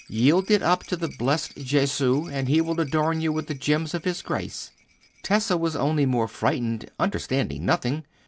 Yield it up to the blessed Gesu, and He will adorn you with the gems of His grace." Tessa was only more frightened, understanding nothing.